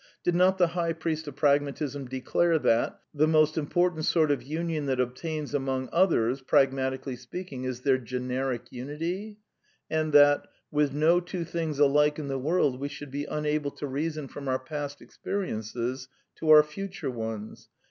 Did not the high priest of Prag matism declare that :* The most important sort of union that obtains among things, pragmatically speaking, is their (\ Afi^Cpeneric unity ^f And that: ^ With no two things alike I ► in the world, we should be unable to reason from our past experiences to our future ones?'